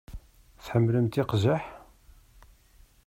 Tḥemmlemt iqzaḥ?